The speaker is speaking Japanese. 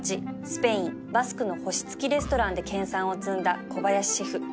スペイン・バスクの星付きレストランで研さんを積んだ小林シェフ